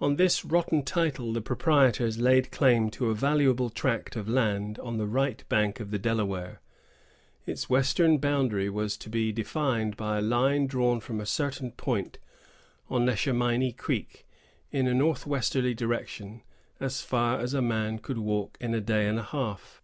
On this rotten title the proprietors laid claim to a valuable tract of land on the right bank of the Delaware. Its western boundary was to be defined by a line drawn from a certain point on Neshaminey Creek, in a north westerly direction, as far as a man could walk in a day and a half.